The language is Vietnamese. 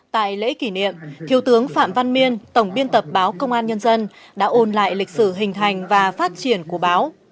tại lễ kỷ niệm thiếu tướng phạm văn miên tổng biên tập báo công an nhân dân đã ôn lại lịch sử hình hành và phát triển của báo